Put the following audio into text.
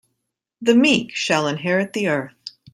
The meek shall inherit the earth.